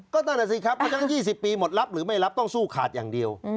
ก็นั่นแหละสิครับเพราะฉะนั้น๒๐ปีหมดรับหรือไม่รับต้องสู้ขาดอย่างเดียว